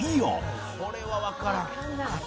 「これはわからん」